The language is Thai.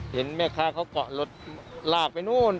เห็นแม่ค้าเขาเกาะรถลากไปนู่น